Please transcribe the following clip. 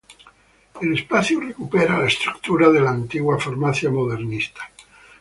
El espacio recupera la estructura de la antigua farmacia modernista.